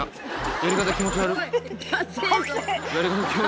やり方気持ち悪っ。